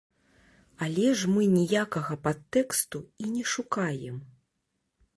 Але ж мы ніякага падтэксту і не шукаем!